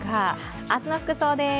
明日の服装です。